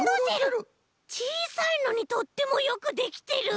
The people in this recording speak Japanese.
ちいさいのにとってもよくできてる！